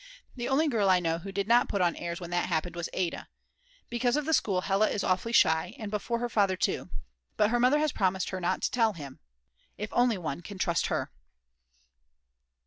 The only girl I know who did not put on airs when that happened was Ada. Because of the school Hella is awfully shy, and before her father too. But her mother has promised her not to tell him. If only one can trust her!!!